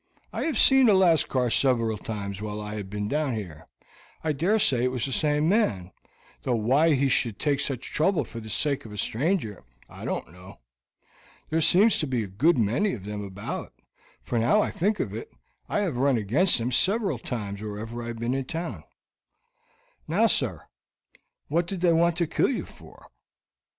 I have seen a Lascar several times while I have been down there. I dare say it was the same man, though why he should take such trouble for the sake of a stranger I don't know. There seems to be a good many of them about, for now I think of it, I have run against them several times wherever I have been in town." "Now, sir, what did they want to kill you for?"